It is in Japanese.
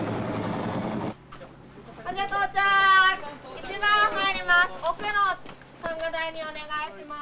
１番入ります。